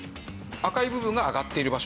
赤い部分が上がっている場所。